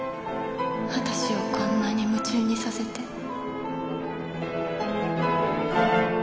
私をこんなに夢中にさせて。